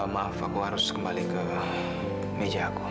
maaf aku harus kembali ke meja aku